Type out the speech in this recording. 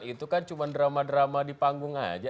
itu kan cuma drama drama di panggung aja